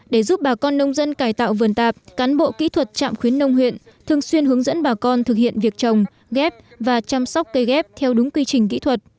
để giúp bà con nông dân cải tạo vườn tạp cán bộ kỹ thuật trạm khuyến nông huyện thường xuyên hướng dẫn bà con thực hiện việc trồng ghép và chăm sóc cây ghép theo đúng quy trình kỹ thuật